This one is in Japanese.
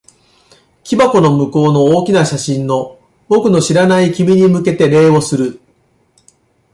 木箱の向こうの大きな写真の、僕の知らない君に向けて礼をする。